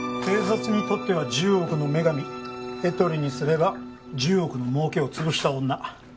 警察にとっては１０億の女神エトリにすれば１０億の儲けを潰した女